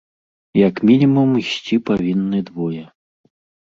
Як мінімум, ісці павінны двое.